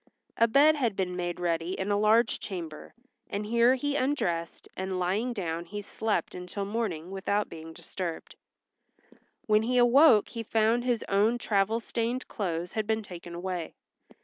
A bed had been made ready in a large chamber, and here he undressed and lying down he slept until morning without being disturbed. When he awoke he found his own travel stained clothes had been taken away.